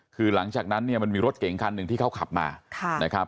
คือหลังจากนั้นเนี่ยมันมีรถเก๋งคันหนึ่งที่เขาขับมานะครับ